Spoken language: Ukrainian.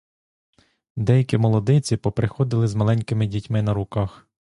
Деякі молодиці поприходили з маленькими дітьми на руках.